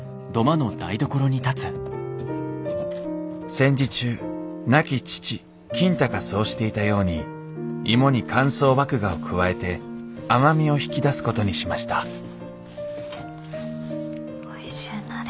戦時中亡き父金太がそうしていたように芋に乾燥麦芽を加えて甘みを引き出すことにしましたおいしゅうなれ。